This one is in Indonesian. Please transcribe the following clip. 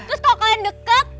terus kalau kalian deket